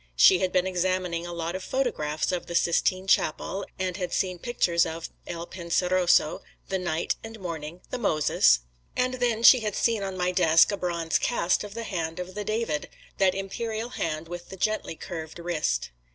She had been examining a lot of photographs of the Sistine Chapel, and had seen pictures of "Il Penseroso," the "Night" and "Morning," the "Moses"; and then she had seen on my desk a bronze cast of the hand of the "David" that imperial hand with the gently curved wrist.